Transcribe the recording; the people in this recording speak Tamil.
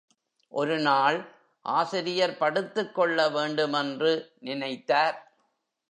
ஒரு நாள் ஆசிரியர் படுத்துக் கொள்ள வேண்டுமென்று நினைத்தார்.